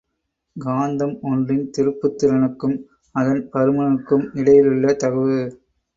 காந்தம் ஒன்றின் திருப்புத் திறனுக்கும், அதன் பருமனுக்கும் இடையிலுள்ள தகவு.